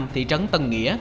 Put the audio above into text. thị trấn tân nghĩa